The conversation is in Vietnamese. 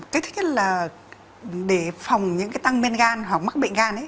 cái thứ nhất là để phòng những cái tăng men gan hoặc mắc bệnh gan ấy